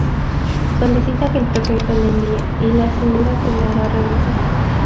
Solicita que el prefecto le envíe, y le asegura que le hará regresar.